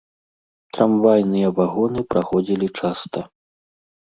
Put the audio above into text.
Трамвайныя вагоны праходзілі часта.